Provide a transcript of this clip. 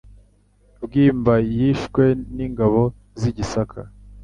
Bwimba yishwe n'ingabo z'i Gisaka.